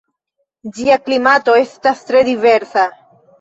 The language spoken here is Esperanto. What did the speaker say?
Ĝia klimato estas tre diversa.